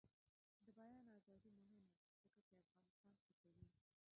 د بیان ازادي مهمه ده ځکه چې افغانستان ښه کوي.